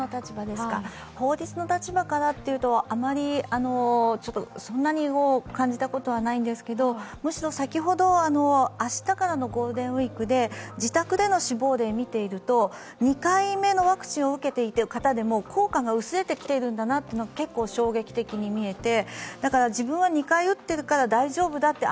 法律の立場からというと、あまりそんなに感じたことはないんですがむしろ先ほど明日からのゴールデンウイークで自宅での死亡例を見ていると２回目のワクチンを受けている方でも効果が薄れてきているんだなというのが結構衝撃的に見えて。